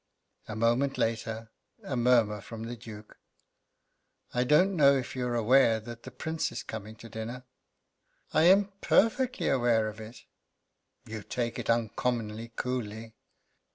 A moment later, a murmur from the Duke: "I don't know if you're aware that the Prince is coming to dinner?" "I am perfectly aware of it." "You take it uncommonly coolly.